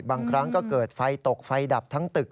บางครั้งก็เกิดไฟตกไฟดับทั้งตึก